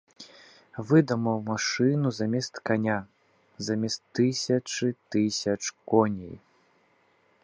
Выдумаў машыну замест каня, замест тысячы тысяч коней.